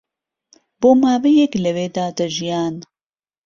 بۆ ماوەیەک لەوێدا دەژیان